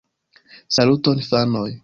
Saluton fanoj